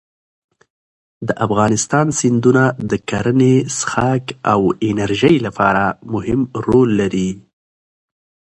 د افغانستان سیندونه د کرنې، څښاک او انرژۍ لپاره مهم رول لري.